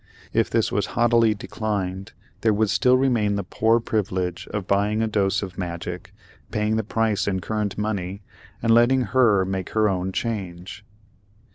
If this was haughtily declined there would still remain the poor privilege of buying a dose of magic, paying the price in current money, and letting her make her own change.